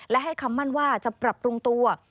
และให้คำมั่นว่าจะปรับปรุงตัว